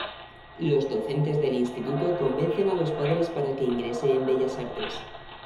Los docentes del instituto convencen a los padres para que ingrese en Bellas Artes.